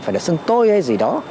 phải là xưng tôi hay gì đó